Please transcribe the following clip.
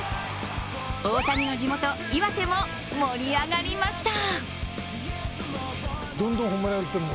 大谷の地元・岩手も盛り上がりました。